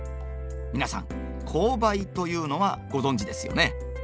皆さん紅梅というのはご存じですよね。